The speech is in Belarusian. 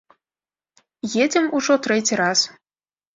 Едзем ужо трэці раз.